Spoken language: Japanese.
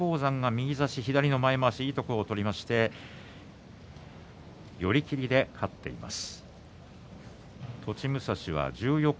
右差し左の前まわしいいところ取りまして寄り切りで勝っています。